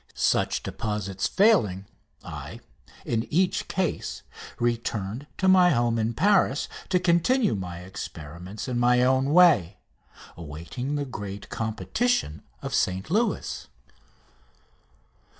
Such deposits failing, I, in each case, returned to my home in Paris to continue my experiments in my own way, awaiting the great competition of St Louis.